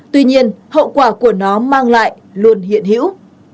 tuy nhiên hậu quả của nó mang lại luôn hiện hữu